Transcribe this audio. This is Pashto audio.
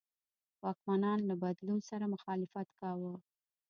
واکمنان له بدلون سره مخالفت کاوه.